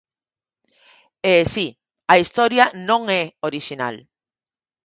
E, si, a historia non é orixinal.